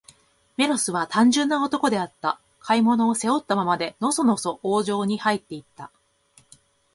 メロスは、単純な男であった。買い物を、背負ったままで、のそのそ王城にはいって行った。